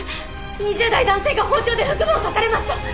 ２０代男性が包丁で腹部を刺されました！